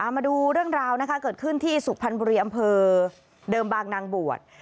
มาดูเรื่องราวนะคะเกิดขึ้นที่สุพรรณบุรีอำเภอเดิมบางนางบวช